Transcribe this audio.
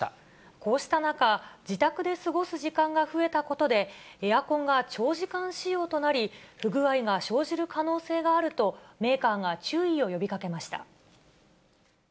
こうした中、自宅で過ごす時間が増えたことで、エアコンが長時間使用となり、不具合が生じる可能性があると、メーカーが注意を呼びかけました。